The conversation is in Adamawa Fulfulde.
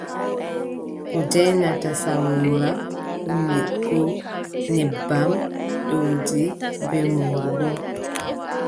Ko jaanyata sawoora, ɗum yiɗgo nebbam, ɗowdi bee mongoro.